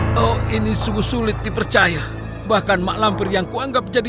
bagus tuan bagus jai